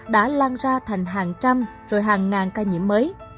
đã lan ra thành hàng trăm rồi hàng ngàn ca nhiễm mới